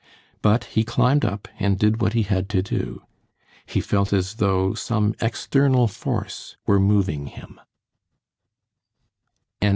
But he climbed up and did what he had to do. He felt as though some external force were moving him.